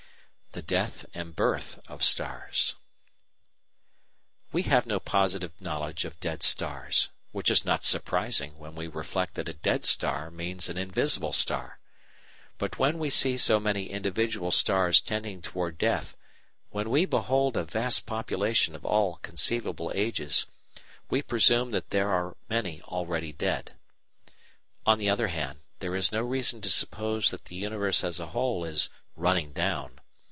The Death and Birth of Stars We have no positive knowledge of dead stars; which is not surprising when we reflect that a dead star means an invisible star! But when we see so many individual stars tending toward death, when we behold a vast population of all conceivable ages, we presume that there are many already dead. On the other hand, there is no reason to suppose that the universe as a whole is "running down."